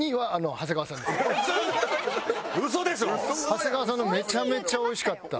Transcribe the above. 長谷川さんのめちゃめちゃおいしかった。